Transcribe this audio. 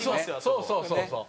そうそうそうそう。